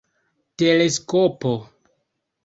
teleskopo